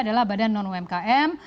adalah badan non umkm